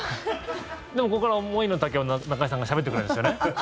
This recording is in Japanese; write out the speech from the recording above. でも僕らの思いのたけを中居さんがしゃべってくれるんですよね。